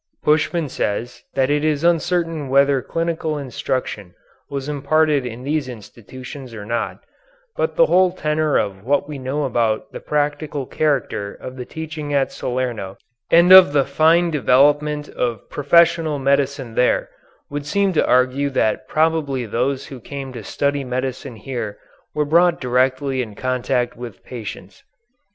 Puschmann says that it is uncertain whether clinical instruction was imparted in these institutions or not, but the whole tenor of what we know about the practical character of the teaching at Salerno and of the fine development of professional medicine there, would seem to argue that probably those who came to study medicine here were brought directly in contact with patients.